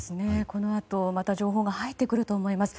このあとまた情報が入ってくると思います。